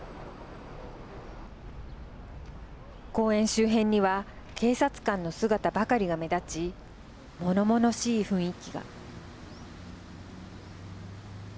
公園周辺には警察官の姿ばかりが目立ち物々しい雰囲気が。